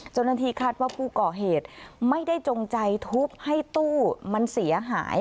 เจ้าหน้าที่คาดว่าผู้ก่อเหตุไม่ได้จงใจทุบให้ตู้มันเสียหาย